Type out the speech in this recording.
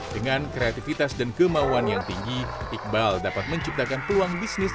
dengan kreativitas dan kemauan yang tinggi iqbal dapat menciptakan peluang bisnis